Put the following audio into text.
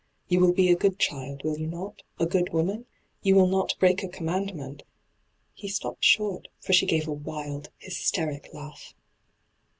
You will be a good child, will you not — a good woman t You will not break a commandment ' He stopped short, for she gave a wild, hysteric laugh.